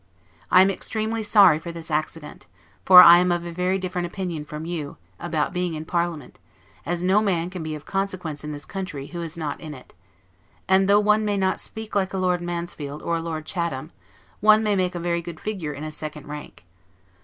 I am extremely sorry for this accident; for I am of a very different opinion from you, about being in parliament, as no man can be of consequence in this country, who is not in it; and, though one may not speak like a Lord Mansfield or a Lord Chatham, one may make a very good figure in a second rank.